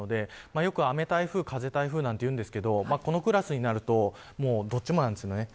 よく雨台風、風台風と言いますが、このクラスになるとどっちもなんですよね。